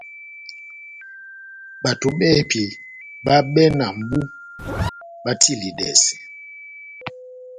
Bato bɛ́hɛ́pi báhabɛ na mʼbú batilidɛse.